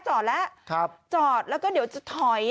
จอดแล้วจอดแล้วก็เดี๋ยวจะถอย